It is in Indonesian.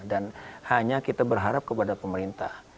dan hanya kita berharap kepada pemerintah